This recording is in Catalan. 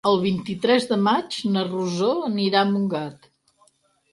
El vint-i-tres de maig na Rosó anirà a Montgat.